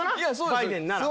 バイデンなら。